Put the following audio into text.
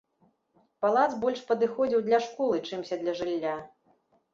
Палац больш падыходзіў для школы, чымся для жылля.